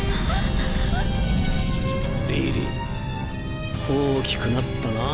リリー大きくなったなぁ。